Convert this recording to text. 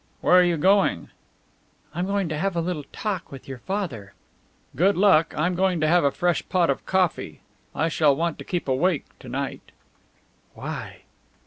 "Where are you going?" "I'm going to have a little talk with your father." "Good luck. I'm going to have a fresh pot of coffee. I shall want to keep awake to night." "Why?"